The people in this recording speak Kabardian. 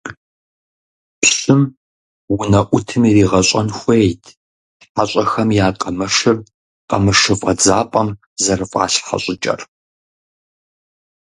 Пщым унэӀутым иригъэщӏэн хуейт хьэщӀэхэм я къамышыр къамышы фӀэдзапӀэм зэрыфӀалъхьэ щӀыкӀэр.